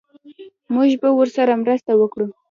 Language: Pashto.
موږ به ورسره مرسته وکړو